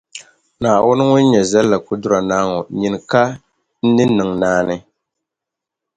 Naawuni ŋun nyɛ Zallakudura Naa ŋɔ, nyini ka n ni niŋ naani.